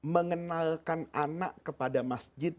mengenalkan anak kepada masjid